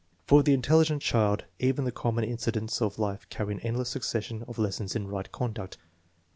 XII, 5 299 For the intelligent child even the common incidents of life carry an endless succession of lessons in right conduct.